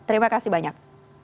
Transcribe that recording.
terima kasih banyak